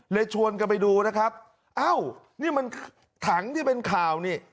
ชวนกันไปดูนะครับเอ้านี่มันถังที่เป็นข่าวนี่